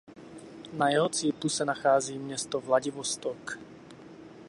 Na jeho cípu se nachází město Vladivostok.